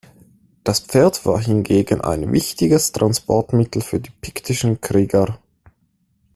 Das Pferd war hingegen ein wichtiges Transportmittel für die piktischen Krieger.